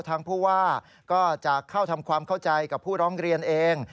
ทางผู้ว่าก็จะเข้าทำความเข้าใจกับผู้ร้องเรียนเอง